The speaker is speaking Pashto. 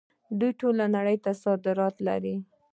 دوی ټولې نړۍ ته صادرات لري.